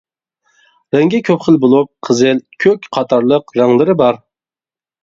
رەڭگى كۆپ خىل بولۇپ، قىزىل، كۆك قاتارلىق رەڭلىرى بار.